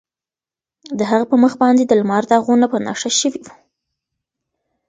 د هغه په مخ باندې د لمر داغونه په نښه شوي وو.